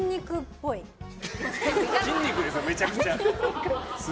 筋肉ですよ、めちゃくちゃ。